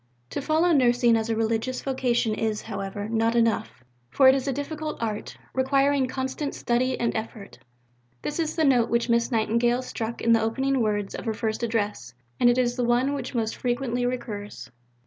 To follow nursing as a religious vocation is, however, not enough; for it is a difficult art, requiring constant study and effort. This is the note which Miss Nightingale struck in the opening words of her first Address and it is the one which most frequently recurs.